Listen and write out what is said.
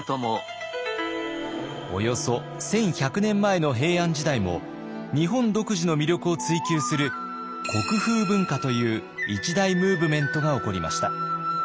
およそ１，１００年前の平安時代も日本独自の魅力を追求する国風文化という一大ムーブメントが起こりました。